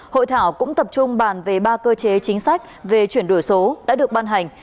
hội thảo cũng tập trung bàn về ba cơ chế chính sách về chuyển đổi số đã được ban hành